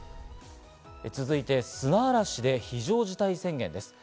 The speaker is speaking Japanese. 続いて、砂嵐で非常事態宣言です。